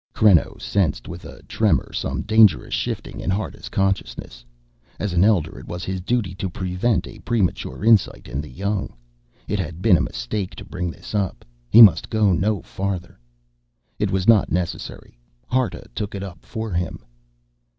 Creno sensed with a tremor some dangerous shifting in Harta's consciousness. As an elder it was his duty to prevent a premature insight in the young. It had been a mistake to bring this up. He must go no further. It was not necessary. Harta took it up for him.